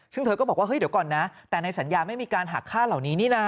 ซึ่งเธอก็บอกว่าเฮ้ยเดี๋ยวก่อนนะแต่ในสัญญาไม่มีการหักค่าเหล่านี้นี่นะ